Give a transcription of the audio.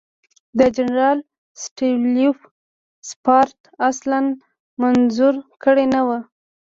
د جنرال سټولیتوف سفارت اصلاً منظور کړی نه وو.